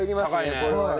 これはね。